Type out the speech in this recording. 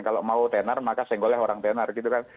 kalau mau tenor maka senggolnya orang tenor gitu kan